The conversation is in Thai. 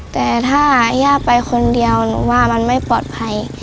แต่ถ้าย่าไปคนเดียวหนูว่ามันไม่ปลอดภัย